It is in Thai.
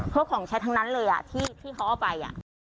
พวกของใช้ทั้งนั้นเลยที่เขาเอาไป